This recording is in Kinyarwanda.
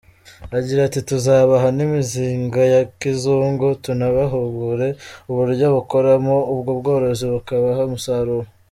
Agira ati “Tuzabaha n’imizinga ya kizungu tunabahugure uburyo bakoramo ubwo bworozi bukabaha umusaruro.